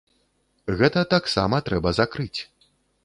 Гэта таксама трэба закрыць.